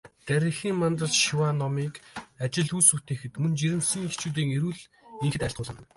Дарь эхийн мандал шиваа номыг ажил үйлс бүтээхэд, мөн жирэмсэн эхчүүдийн эрүүл энхэд айлтгуулна.